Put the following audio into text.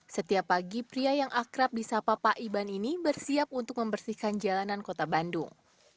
setiap pagi pria yang akrab di sapa pak iban ini bersiap untuk membersihkan jalanan kota bandung